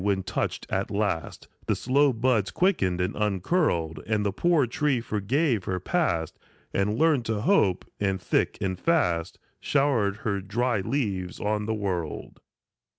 When, touched at last, The slow buds quickened and uncurled, And the poor tree forgave her past, And learned to hope, and thick and fast Showered her dry leaves on the world.